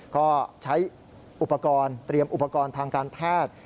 ก็ใช้อุปกรณ์เตรียมอุปกรณ์ทางการแพทย์